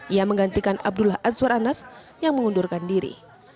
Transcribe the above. ia menggantikan abdullah azwar anas yang mengundurkan diri